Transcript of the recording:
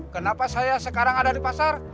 kenapa saya sekarang ada di pasar